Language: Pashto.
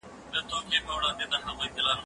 زه د کتابتوننۍ سره مرسته کړې ده؟!